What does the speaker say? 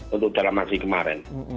untuk dalam aksi kemarin